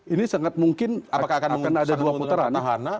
ini sangat mungkin akan menguntungkan petahana